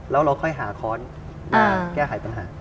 แล้วเราค่อยหาคอร์สแล้วแก้หายปัญหา